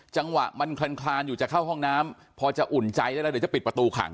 จังหวะมันคลานอยู่จะเข้าห้องน้ำพอจะอุ่นใจได้แล้วเดี๋ยวจะปิดประตูขัง